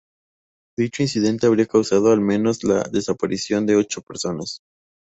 Dicho incidente habría causado al menos la desaparición de ocho personas.